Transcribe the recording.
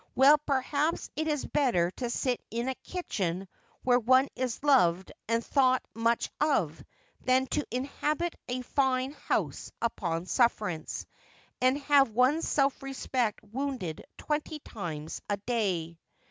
Well, perhaps it is better to sit in a kitchen where one is loved and thought much of, than to inhabit a tine house upon sufferance, and have one's self respect wounded twenty times in a day.'